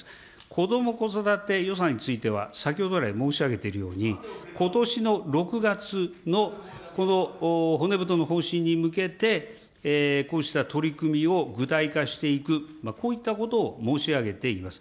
こども・子育て予算については、先ほどらい申し上げているように、ことしの６月のこの骨太の方針に向けて、こうした取り組みを具体化していく、こういったことを申し上げています。